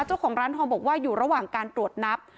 เจ้าของร้านทองบอกว่าอยู่ระหว่างการตรวจนับ